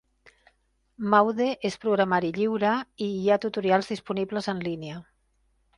Maude és programari lliure i hi ha tutorials disponibles en línia.